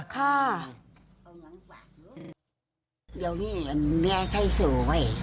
ค่ะ